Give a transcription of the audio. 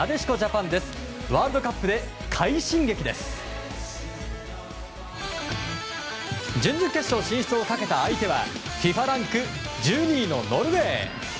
かわりましてサッカー、なでしこジャパン。準々決勝進出をかけた相手はＦＩＦＡランク１２位のノルウェー。